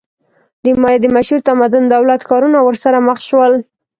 د مایا د مشهور تمدن دولت-ښارونه ورسره مخ شول.